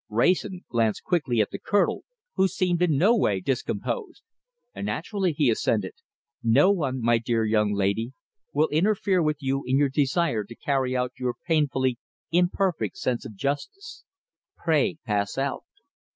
Wrayson glanced quickly at the Colonel, who seemed in no way discomposed. "Naturally," he assented. "No one, my dear young lady, will interfere with you in your desire to carry out your painfully imperfect sense of justice. Pray pass out!"